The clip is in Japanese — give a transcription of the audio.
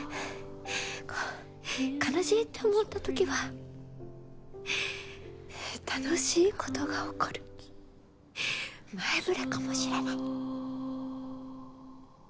悲しいって思った時は楽しいことが起こる前触れかもしれない。